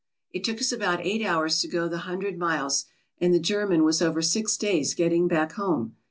It took us about eight hours to go the hundred miles, and the German was over six days getting back home.